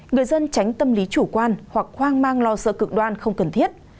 người dân tránh tâm lý chủ quan hoặc hoang mang lo sợ cực đoan không cần thiết